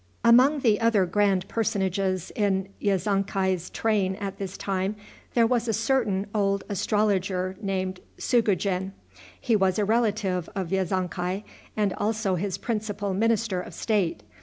Among the other grand personages in Yezonkai's train at this time, there was a certain old astrologer named Sugujin. He was a relative of Yezonkai, and also his principal minister of state.